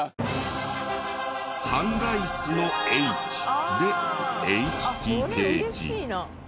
半ライスの「Ｈ」でＨＴＫＧ。